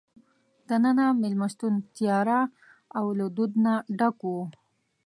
دننه مېلمستون تیاره او له دود نه ډک وو.